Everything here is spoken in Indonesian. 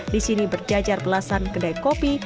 di sini berjajar belasan kedai kopi